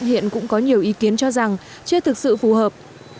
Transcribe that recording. hiện cũng có nhiều ý kiến cho rằng chưa thực sự phù hợp